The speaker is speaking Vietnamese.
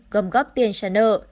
gom góp tiền trả nợ